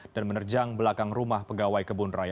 dan menerjang belakang rumah pegawai kebun raya